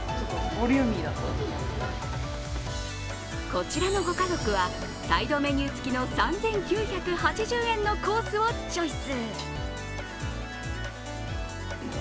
こちらのご家族はサイドメニューつきの３９８０円のコースをチョイス。